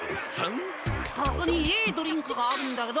ここにいいドリンクがあるんだけど！